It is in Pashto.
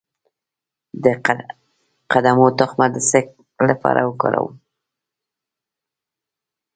د قدومه تخم د څه لپاره وکاروم؟